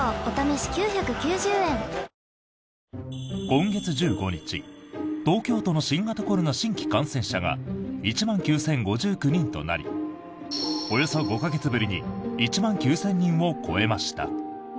今月１５日東京都の新型コロナ新規感染者が１万９０５９人となりおよそ５か月ぶりに１万９０００人を超えました。